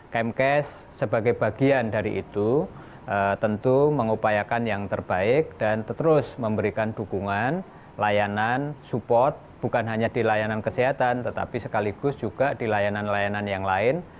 kemkes sebagai bagian dari itu tentu mengupayakan yang terbaik dan terus memberikan dukungan layanan support bukan hanya di layanan kesehatan tetapi sekaligus juga di layanan layanan yang lain